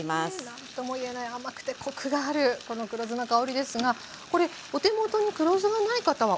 何ともいえない甘くてコクがあるこの黒酢の香りですがこれお手元に黒酢がない方はお酢でもいいですかね？